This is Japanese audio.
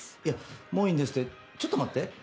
「いやもういいんですってちょっと待って」